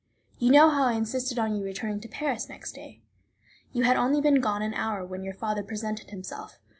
You know how I insisted on your returning to Paris next day. You had only been gone an hour when your father presented himself.